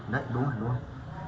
đấy đúng rồi luôn